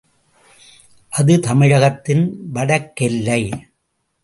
அது தமிழகத்தின் வடக்கெல்லை.